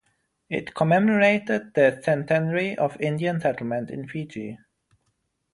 It commemorated the centenary of Indian settlement in Fiji.